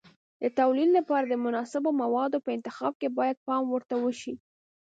د تولید لپاره د مناسبو موادو په انتخاب کې باید پام ورته وشي.